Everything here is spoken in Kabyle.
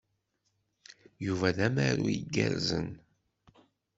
Yuba d amaru igerrzen.